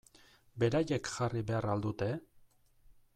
Beraiek jarri behar al dute?